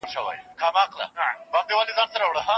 ما پرون ډوډۍ پخه کړه.